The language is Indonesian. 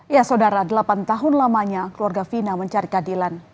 ya saudara delapan tahun lamanya keluarga fina mencari keadilan